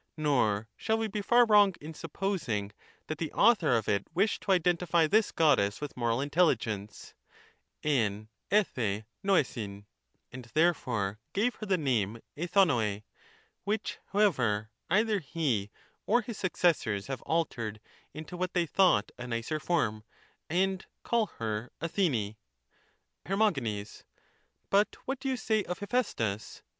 Nor shall we be far wrong in supposing that the author of it wished to identify this Goddess with moral intelligence (tv fiOu vorjaiv), and therefore gave her the name TjdovoT] ; which, however, either he or his successors have altered into what they thought a nicer form, and called her Athene. Her. But what do you say of Hephaestus?